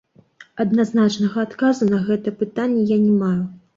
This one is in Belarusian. Адназначнага адказу на гэта пытанне я не маю.